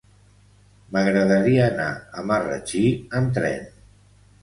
M'agradaria anar a Marratxí amb tren.